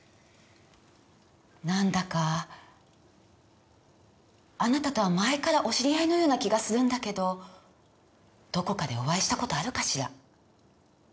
なんだかあなたとは前からお知り合いのような気がするんだけどどこかでお会いした事あるかしら？